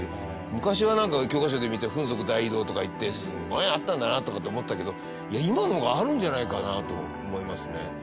昔はなんか教科書で見たフン族大移動とかいってすごいあったんだなとかって思ったけど今の方があるんじゃないかなと思いますね。